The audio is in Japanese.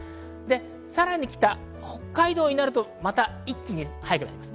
さらに北、北海道になるとまた一気に早くなります。